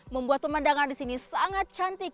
membuat pemandangan di sini sangat cantik